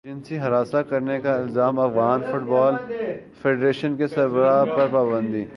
جنسی ہراساں کرنے کا الزام افغان فٹبال فیڈریشن کے سربراہ پر پابندی